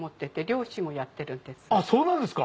そうなんですか。